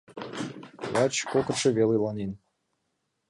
Лач кокытшо вел иланен.